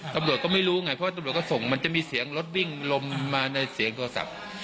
ตำรวจก็ไม่รู้ไงเพราะตำรวจก็ส่งมันจะมีเสียงรถวิ่งลมมาในเสียงโทรศัพท์